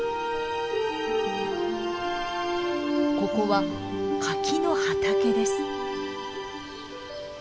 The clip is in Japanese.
ここは柿の畑です。